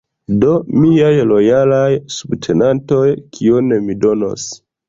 Do, miaj lojalaj subtenantoj: kion mi donos?